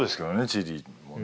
チリもね。